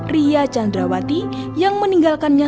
ria chandrawati yang meninggalkannya